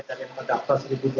dari data dua ribu dua puluh